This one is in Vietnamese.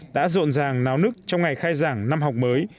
đã rộn ràng náo nức trong ngày khai giảng năm học mới